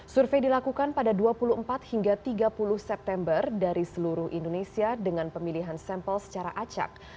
survei dilakukan pada dua puluh empat hingga tiga puluh september dari seluruh indonesia dengan pemilihan sampel secara acak